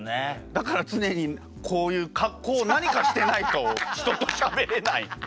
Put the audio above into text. だから常にこういう格好を何かしてないと人としゃべれない。